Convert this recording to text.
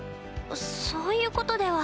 そういうことでは。